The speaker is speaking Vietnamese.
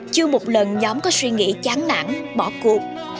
chưa một lần nhóm có suy nghĩ chán nản bỏ cuộc